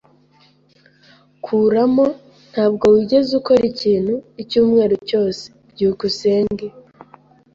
Kuramo! Ntabwo wigeze ukora ikintu icyumweru cyose. byukusenge